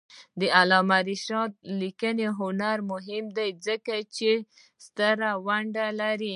د علامه رشاد لیکنی هنر مهم دی ځکه چې ستره ونډه لري.